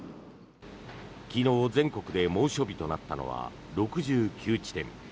昨日、全国で猛暑日となったのは６９地点。